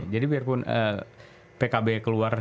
jadi biarpun pkb keluar